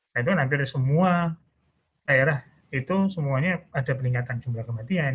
nah itu hampir semua daerah itu semuanya ada peningkatan jumlah kematian